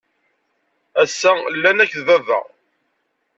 Ass-a, llan akked baba?